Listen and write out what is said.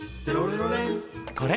これ。